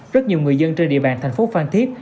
rất nhiều người dân trên địa bàn thành phố phan thiết